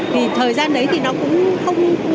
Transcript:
thì thời gian đấy cũng không